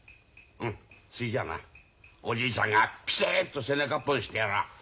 うんそれじゃあなおじいちゃんがピシッと背中ポンしてやらあ。